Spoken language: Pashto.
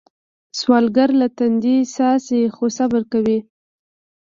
سوالګر له تندي څاڅي خو صبر کوي